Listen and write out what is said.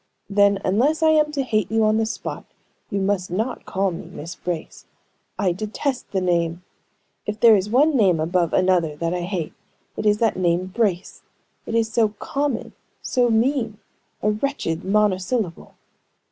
"Then, unless I am to hate you on the spot, you must not call me Miss Brace. I detest the name! If there is one name above another that I hate, it is that name Brace! It is so common, so mean a wretched monosyllable!"